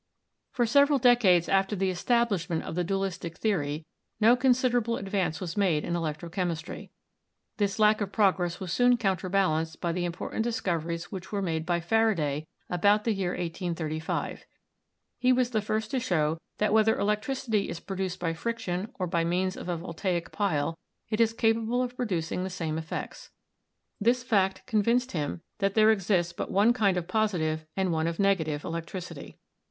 For several decades after the establishment of the dualistic theory no considerable advance was made in electrochemistry. This lack of progress was soon counter balanced by the important discoveries which were made by Faraday about the year 1835. He was the first to show that whether electricity is produced by friction or by means of a voltaic pile it is capable of producing the same effects. This fact convinced him that there exists but one kind of positive and one of negative electricity.